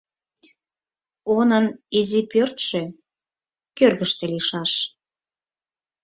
Онын изи пӧртшӧ кӧргыштӧ лийшаш.